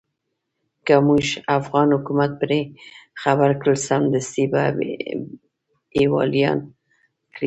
که موږ افغان حکومت پرې خبر کړ سمدستي به يې واليان کړي.